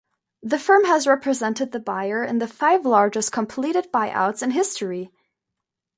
The firm has represented the buyer in the five largest completed buyouts in history.